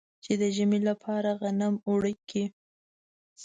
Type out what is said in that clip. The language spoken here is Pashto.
چې د ژمي لپاره غنم اوړه کړي.